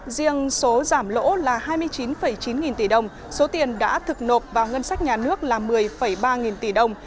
riêng số giảm lỗ là hai mươi chín chín nghìn tỷ đồng số tiền đã thực nộp vào ngân sách nhà nước là một mươi ba nghìn tỷ đồng